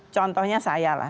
contohnya saya lah